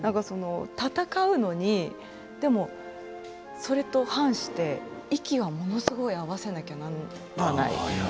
戦うのにそれと反して息をものすごい合わせないといけない。